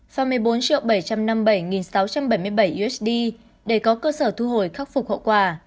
và một mươi bốn bảy trăm năm mươi bảy sáu trăm bảy mươi bảy usd để có cơ sở thu hồi khắc phục hậu quả